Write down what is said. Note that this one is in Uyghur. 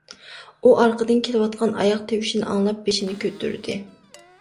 ئۇ ئارقىدىن كېلىۋاتقان ئاياغ تىۋىشىنى ئاڭلاپ بېشىنى كۆتۈردى.